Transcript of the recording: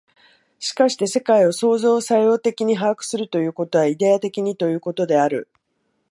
しかして世界を創造作用的に把握するということは、イデヤ的にということである。